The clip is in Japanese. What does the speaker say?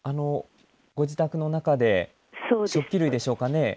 ご自宅の中で食器類でしょうかね。